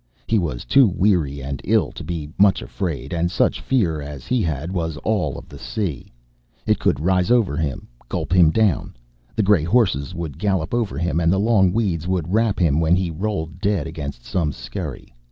He was too weary and ill to be much afraid, and such fear as he had was all of the sea. It could rise over him, gulp him down, the gray horses would gallop over him and the long weeds would wrap him when he rolled dead against some skerry.